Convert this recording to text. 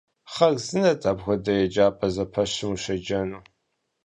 Хъарзынэт апхуэдэ еджапӏэ зэпэщым ущеджэну.